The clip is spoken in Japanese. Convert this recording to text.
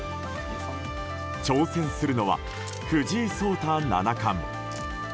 挑戦するのは藤井聡太七冠。